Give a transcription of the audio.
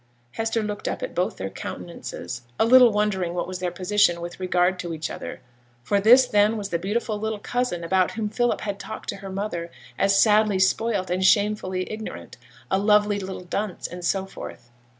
Hester looked up at both their countenances, a little wondering what was their position with regard to each other; for this, then, was the beautiful little cousin about whom Philip had talked to her mother, as sadly spoilt, and shamefully ignorant; a lovely little dunce, and so forth.